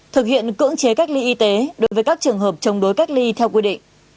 thực hiện cưỡng chế cách ly y tế đối với các trường hợp chống đối cách ly theo quy định